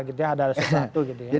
ada sesuatu gitu ya